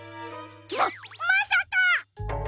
ままさか！